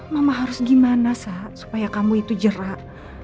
mama harus gimana sah supaya kamu itu jerak